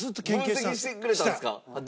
分析してくれたんですか？